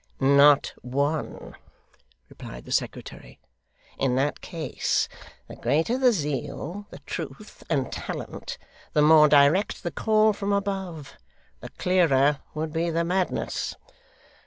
'Not one,' replied the secretary; 'in that case, the greater the zeal, the truth, and talent; the more direct the call from above; the clearer would be the madness.